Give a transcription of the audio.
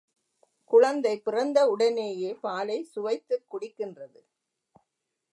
குழந்தை பிறந்த உடனேயே பாலைச் சுவைத்துக் குடிக்கின்றது.